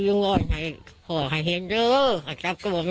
ถูกไหวอันไทยแม่แต่โดยกลวงกับน้องกลัวใจแม่